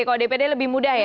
kalau dpd lebih mudah ya